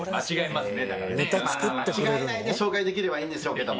まあ間違えないで紹介できればいいんでしょうけど。